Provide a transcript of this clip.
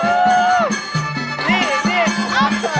เฮ้ยเฮ้วแชวน่ะเมื่อกี้